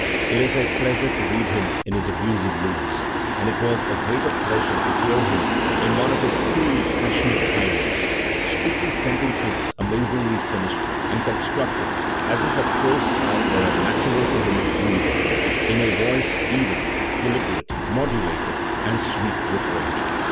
It is a pleasure to read him in his abusive moods, and it was a greater pleasure to hear him in one of his coolly passionate tirades, speaking sentences amazingly finished and constructed as if a prose style were as natural to him as breathing, in a voice even, deliberate, modulated and sweet with rage.